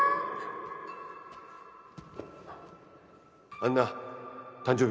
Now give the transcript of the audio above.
アンナ誕生日